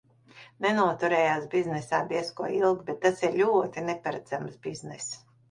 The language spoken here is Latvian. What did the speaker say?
Nenoturējās biznesā diez ko ilgi, bet tas ir ļoti neparedzams bizness.